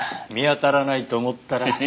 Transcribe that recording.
見当たらないと思ったら。